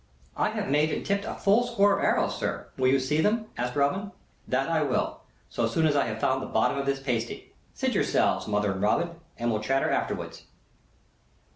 "I have made and tipped a full score of arrows, sir; will you see them?" asked Robin. "That will I, so soon as I have found the bottom of this pasty. Sit yourselves, mother and Robin, and we'll chatter afterwards."